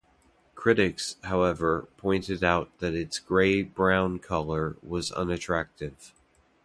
Critics, however, pointed out that its grey-brown colour was unattractive.